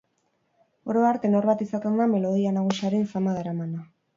Oro har, tenor bat izaten da melodia nagusiaren zama daramana.